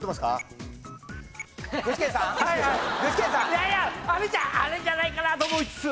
いやいやあれじゃないかなと思いつつ。